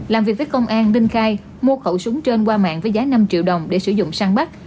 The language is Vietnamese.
làm việc với công an minh khai mua khẩu súng trên qua mạng với giá năm triệu đồng để sử dụng săn bắt